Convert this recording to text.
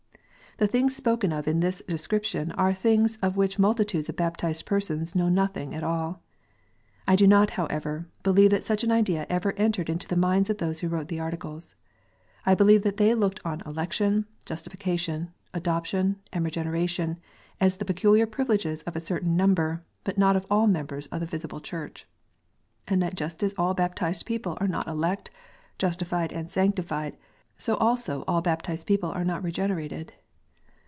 The things spoken of in this description are things of which multitudes of baptized persons know nothing at all. I do not, however, believe that such an idea ever entered into the minds of those who wrote the Articles. I believe that they looked on Election, Justification, Adoption, and Regenera tion, as the peculiar privileges of a certain number, but not of all members of the visible Church ; and that just as all baptized people are not elect, justified, and sanctified, so also all baptized people are not regenerated.